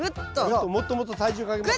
もっともっともっと体重かけます。